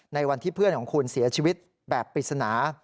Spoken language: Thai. ในวันที่เพื่อนของคุณเสียชีวิตแบบปริศนา